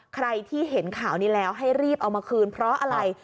ใครที่เห็นข่าวนี้แล้วให้รีบเอามาคืนเพราะอะไร